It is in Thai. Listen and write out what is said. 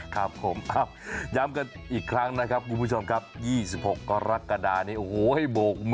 ครับผมย้ำกันอีกครั้งนะครับคุณผู้ชมครับ๒๖กรกฎานี้โอ้โหให้โบกมือ